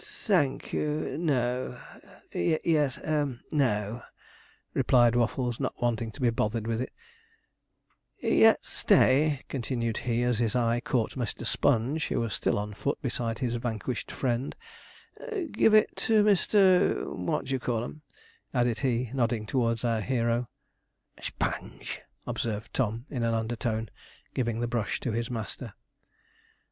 'Thank you, no yes no,' replied Waffles, not wanting to be bothered with it; 'yet stay,' continued he, as his eye caught Mr. Sponge, who was still on foot beside his vanquished friend; 'give it to Mr. What de ye call 'em,' added he, nodding towards our hero. 'Sponge,' observed Tom, in an undertone, giving the brush to his master.